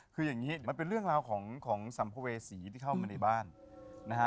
คืออย่างนี้มันเป็นเรื่องราวของสัมภเวษีที่เข้ามาในบ้านนะฮะ